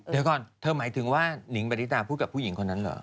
เดี๋ยวก่อนเธอหมายถึงว่านิงปฏิตาพูดกับผู้หญิงคนนั้นเหรอ